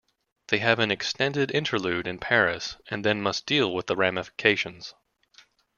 They have an extended interlude in Paris and then must deal with the ramifications.